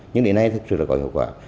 nhưng đến nay thực sự là có hiệu quả